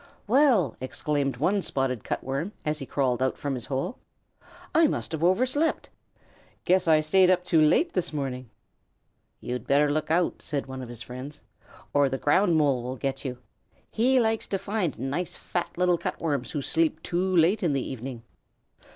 "Well!" exclaimed one Spotted Cut Worm, as he crawled out from his hole. "I must have overslept! Guess I stayed up too late this morning." "You'd better look out," said one of his friends, "or the Ground Mole will get you. He likes to find nice fat little Cut Worms who sleep too late in the evening."